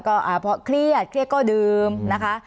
ก็เพราะเครียดเครียดก็ดื่มนะคะ